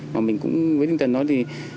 và mình cũng với tinh thần đó thì